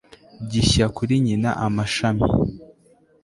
Gishya kuri nyina amashami